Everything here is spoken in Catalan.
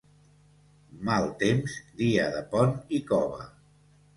Mal temps, dia de pont i cova.